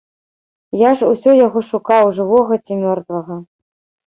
Я ж усё яго шукаў, жывога ці мёртвага.